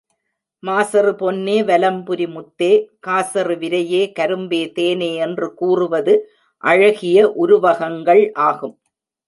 மாசறு பொன்னே வலம்புரிமுத்தே காசறு விரையே கரும்பே தேனே என்று கூறுவது அழகிய உருவகங்கள் ஆகும்.